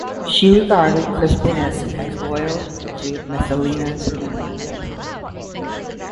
She regarded Crispinus as loyal to Messalina's memory.